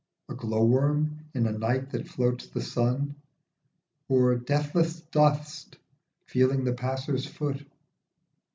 A glow worm in a night that floats the sun? Or deathless dust feeling the passer's foot